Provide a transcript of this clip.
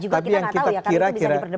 tapi yang kita kira kira